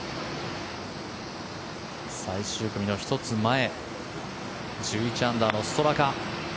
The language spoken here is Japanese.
最終組の１つ前１１アンダーのストラカ。